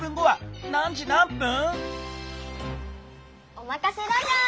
おまかせラジャー！